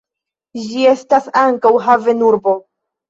Ĝi estas ankaŭ havenurbo.